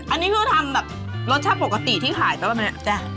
อันนี้คือทำแบบรสชาติปกติที่ขายป่ะไหมเนี่ย